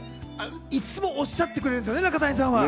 いつもおっしゃってくれるんですよね、中谷さんは。